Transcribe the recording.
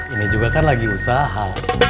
ini juga kan lagi usaha